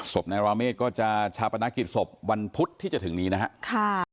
ศพนายราเมฆก็จะชาปนกิจศพวันพุธที่จะถึงนี้นะครับ